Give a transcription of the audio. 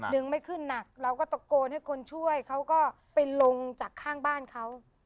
ไม่ขึ้นหนักเราก็ตะโกนให้คนช่วยเขาก็ไปลงจากข้างบ้านเขา